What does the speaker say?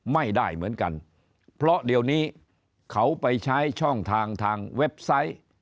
ไม่ได้เหมือนกันเพราะเดี๋ยวนี้เขาไปใช้ช่องทางทางเว็บไซต์